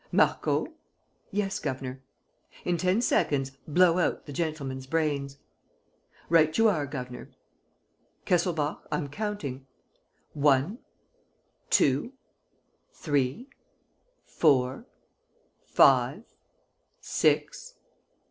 Marco!" "Yes, governor." "In ten seconds, blow out the gentleman's brains." "Right you are, governor." "Kesselbach, I'm counting. One, two, three, four, five, six